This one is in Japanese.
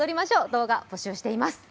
動画、募集しています。